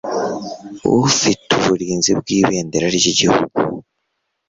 ufite uburinzi bw ibendera ry Igihugu